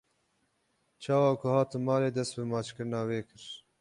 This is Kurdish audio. Çawa ku hatin malê dest bi maçkirina wê kir.